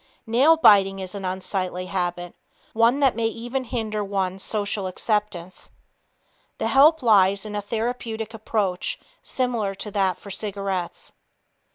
Nail biting is an unsightly habit, one that may even hinder one's social acceptance. The help lies in a therapeutic approach similar to that for cigarettes.